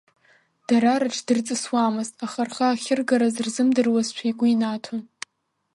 Дара рыҽдырҵысуамызт, аха рхы ахьыргарыз рзымдыруазшәа игәы инаҭон.